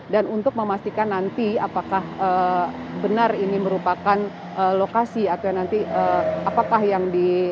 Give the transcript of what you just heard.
dan untuk memastikan nanti apakah benar ini merupakan lokasi atau nanti apakah yang di